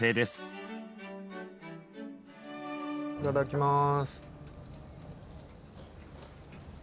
いただきます。